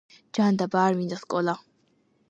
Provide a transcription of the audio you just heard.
ჯანდაბა არ მინდა სკოლა